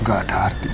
nggak ada artinya